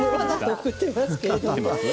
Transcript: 送っていますけれども。